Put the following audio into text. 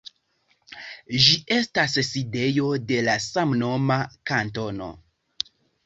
Ĝi estas sidejo de la samnoma kantono.